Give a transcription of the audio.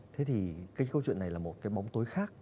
thế thì cái câu chuyện này là một cái bóng tối khác